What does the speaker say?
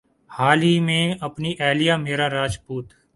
حال ہی میں اپنی اہلیہ میرا راجپوت